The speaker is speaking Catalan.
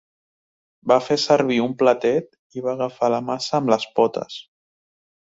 Va fer servir un platet i va agafar la massa amb les potes.